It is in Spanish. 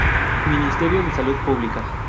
Ministerio de Salud Pública